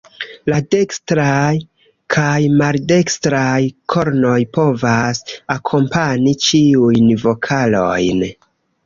La dekstraj kaj maldekstraj kornoj povas akompani ĉiujn vokalojn.